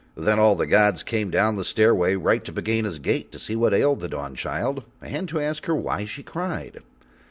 Then all the gods came down the stairway right to Pegāna's gate to see what ailed the Dawnchild and to ask her why she cried.